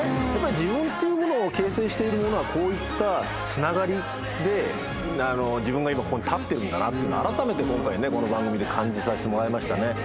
自分っていうものを形成しているものはこういったつながりで自分が今ここに立ってるんだなっていうのを改めて今回この番組で感じさしてもらいましたね。